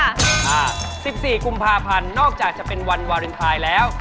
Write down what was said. อ่าสิบสี่กุมภาพันธ์นอกจากจะเป็นวันวาเลนไทยแล้ว